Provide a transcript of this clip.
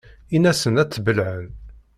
In-asen ad tt-bellɛen.